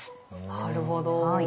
なるほど。